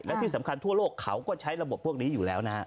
และที่สำคัญทั่วโลกเขาก็ใช้ระบบพวกนี้อยู่แล้วนะฮะ